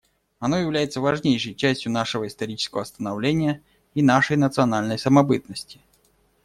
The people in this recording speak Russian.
Оно является важнейшей частью нашего исторического становления и нашей национальной самобытности.